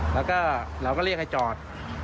แล้วก็เราก็เรียกให้จอด